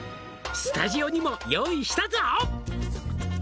「スタジオにも用意したぞ」